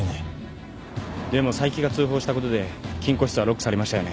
でも佐伯が通報したことで金庫室はロックされましたよね？